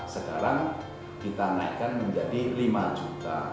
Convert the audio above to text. sekarang kita naikkan menjadi lima juta